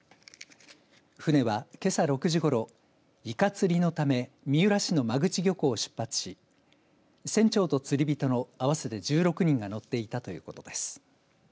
船はけさ６時ごろいか釣りのため三浦市の間口漁港を出発し船長と釣り人の合わせて１６人が乗っていたということです。